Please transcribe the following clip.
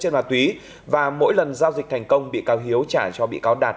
trên ma túy và mỗi lần giao dịch thành công bị cáo hiếu trả cho bị cáo đạt